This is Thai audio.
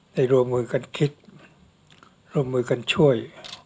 รวมมือกันคิดร่วมมือกันช่วย